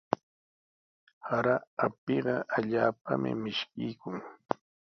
Sara apiqa allaapami mishkiykun.